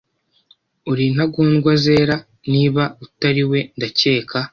Uri intagondwa zera Niba utari we ndakeka